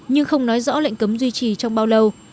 nhưng không nói rõ lệnh cấm duy trì trong bao lâu